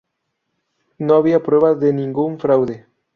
No había prueba de ningún fraude.